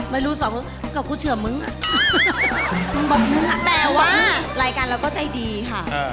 ไม่รู้๒หรือ๓เขากลับกูเฉื่อมมึงอะแต่ว่ารายการเราก็ใจดีค่ะ